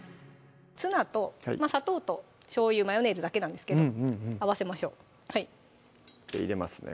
ツナと砂糖としょうゆ・マヨネーズだけなんですけど合わせましょう入れますね